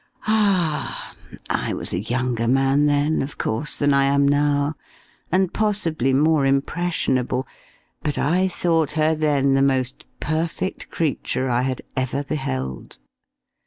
Ah! I was a younger man then, of course, than I am now, and possibly more impressionable; but I thought her then the most perfect creature I had ever beheld.